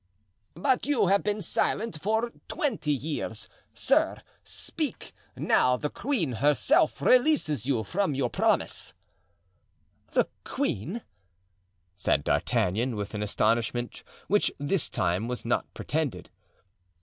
"But you have been silent for twenty years, sir. Speak, now the queen herself releases you from your promise." "The queen!" said D'Artagnan, with an astonishment which this time was not pretended.